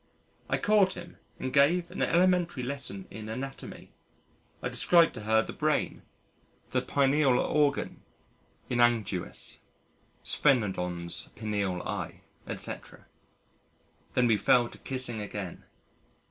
I caught him and gave an elementary lesson in Anatomy. I described to her the brain, the pineal organ in Anguis, Sphenodon's pineal eye, etc. Then we fell to kissing again....